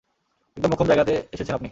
একদম মোক্ষম জায়গাতে এসেছেন আপনি!